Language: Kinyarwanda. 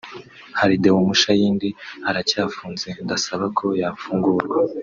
hari Deo Mushayidi aracyafunze ndasaba ko yafungurwa